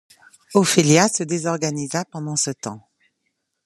Ophelia se désorganisa pendant ce temps.